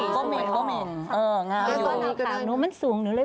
ใช่อ๋อเหม็นเออง่ายอยู่ก็มีใบกาหนูมันสูงหนูเลย